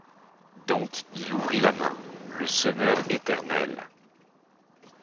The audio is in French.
Donc il ouvrit la main, le semeur éternel